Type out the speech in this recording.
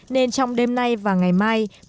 nên trong đêm nay và ngày mai